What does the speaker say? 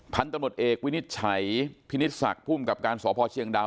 พันธุ์ตำรวจเอกวินิจฉัยพินิศศักดิ์ภูมิกับการสพเชียงดาว